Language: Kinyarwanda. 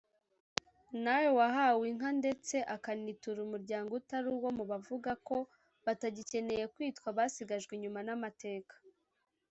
nawe wahawe inka ndetse akanitura umuryango utari uwo mu bavuga ko batagikeneye kwitwa abasigajwe inyuma n’amateka